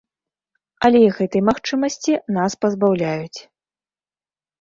Але і гэтай магчымасці нас пазбаўляюць.